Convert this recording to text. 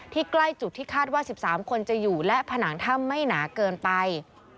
ใกล้จุดที่คาดว่า๑๓คนจะอยู่และผนังถ้ำไม่หนาเกินไป